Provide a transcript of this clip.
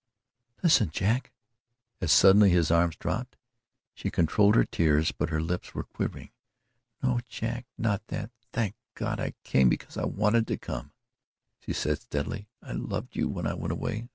"Listen, Jack!" As suddenly his arms dropped. She had controlled her tears but her lips were quivering. "No, Jack, not that thank God. I came because I wanted to come," she said steadily. "I loved you when I went away.